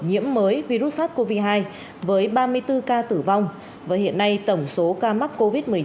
nhiễm mới virus sars cov hai với ba mươi bốn ca tử vong và hiện nay tổng số ca mắc covid một mươi chín